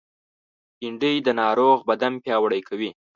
بېنډۍ د ناروغ بدن پیاوړی کوي